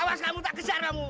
awas kamu tak kejar kamu